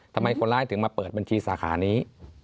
ทำไมคนร้ายถึงมาเปิดบัญชีสาขานี้